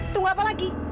tunggu apa lagi